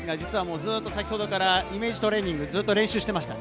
ずっと先ほどからイメージトレーニング、練習していましたか？